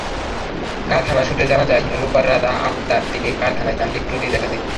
কারখানা সূত্রে জানা যায়, রোববার রাত আটটার দিকে কারখানায় যান্ত্রিক ত্রুটি দেখা দেয়।